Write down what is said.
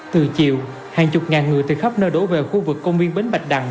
từ chiều hàng chục ngàn người từ khắp nơi đổ về khu vực công viên bến bạch đằng